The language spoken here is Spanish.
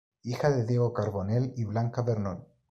Hija de Diego Carbonell y Blanca Vernon.